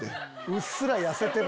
うっすら痩せてる！